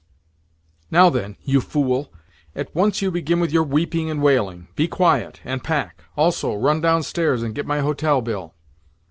"Now then, you fool! At once you begin with your weeping and wailing! Be quiet, and pack. Also, run downstairs, and get my hotel bill."